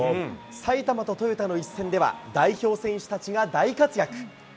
埼玉とトヨタの一戦では、代表選手たちが大活躍。